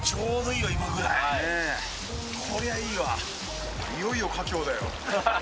いよいよ華僑だよ。